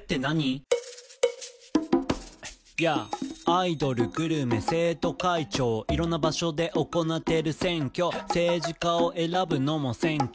「アイドルグルメ生徒会長」「色んな場所で行ってる選挙」「政治家を選ぶのも選挙」